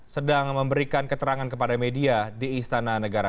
sedang memberikan keterangan kepada media di istana negara